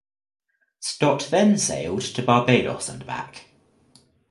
Stott then sailed to Barbados and back.